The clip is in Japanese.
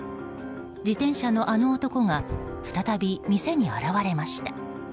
自転車のあの男が再び店に現れました。